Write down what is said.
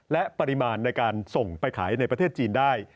และปริมาณในการส่งไปขายในประเทศจีนได้